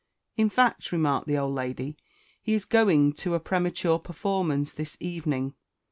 "In fact," remarked the old lady, "he is going to a premature performance this evening!"